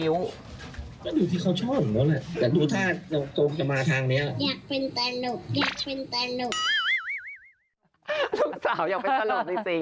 ลูกสาวอยากเป็นตลอดจริง